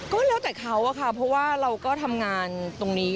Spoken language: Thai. ก็แล้วแต่เขาอะค่ะเพราะว่าเราก็ทำงานตรงนี้